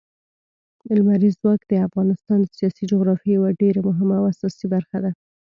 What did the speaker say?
لمریز ځواک د افغانستان د سیاسي جغرافیې یوه ډېره مهمه او اساسي برخه ده.